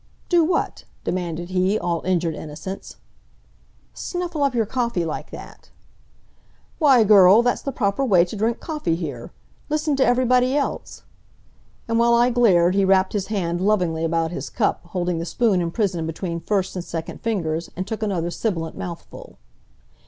"Do what?" demanded he, all injured innocence. "Snuffle up your coffee like that." "Why, girl, that's th' proper way t' drink coffee here. Listen t' everybody else." And while I glared he wrapped his hand lovingly about his cup, holding the spoon imprisoned between first and second fingers, and took another sibilant mouthful.